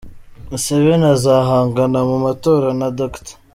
Museveni azahangana mu matora na Dr.